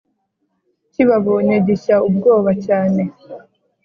kibabonye gishya ubwoba cyane